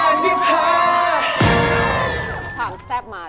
เราเป็นเพื่อนเขา